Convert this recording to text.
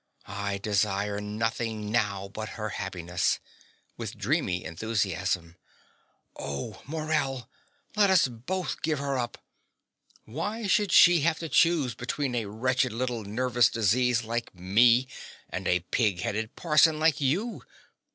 I desire nothing now but her happiness. (With dreamy enthusiasm.) Oh, Morell, let us both give her up. Why should she have to choose between a wretched little nervous disease like me, and a pig headed parson like you?